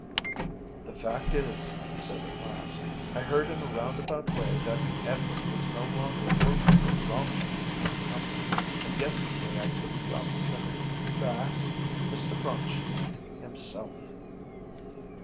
"The fact is," he said at last, "I heard in a round about way that Edward was no longer working for Braunschmidt and Co., and yesterday I took the opportunity to ask Mr Braunschmidt himself."